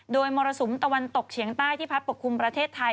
โดยมรสุมตะวันตกเฉียงใต้ที่พัดปกคลุมประเทศไทย